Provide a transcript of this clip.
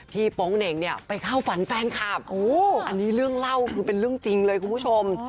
โป๊งเหน่งเนี่ยไปเข้าฝันแฟนคลับอันนี้เรื่องเล่าคือเป็นเรื่องจริงเลยคุณผู้ชม